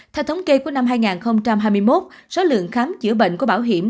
theo thống kê của năm hai nghìn hai mươi một số lượng khám chữa bệnh của bảo hiểm